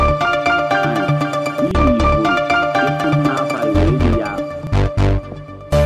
Ay í rih vul ké tul mahfay woyri ya.